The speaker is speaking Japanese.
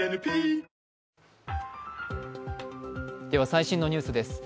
最新のニュースです。